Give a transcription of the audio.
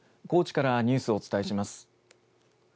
高知からニュースをお伝えします。